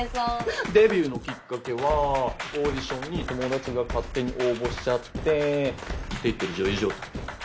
デビューのきっかけはオーディションに友達が勝手に応募しちゃって。って言ってる女優状態。